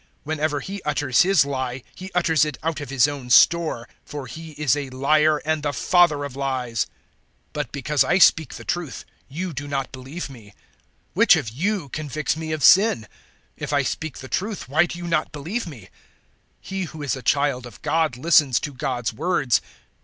Whenever he utters his lie, he utters it out of his own store; for he is a liar, and the father of lies. 008:045 But because I speak the truth, you do not believe me. 008:046 Which of *you* convicts me of sin? If I speak the truth, why do you not believe me? 008:047 He who is a child of God listens to God's words.